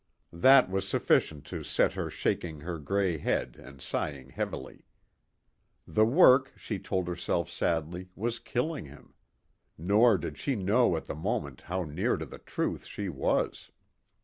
That was sufficient to set her shaking her gray head and sighing heavily. The work, she told herself sadly, was killing him. Nor did she know at the moment how near to the truth she was.